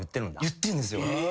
言ってるんですよ。